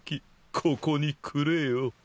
ここにくれよ。